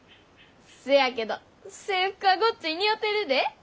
せやけど制服はごっつい似合てるで。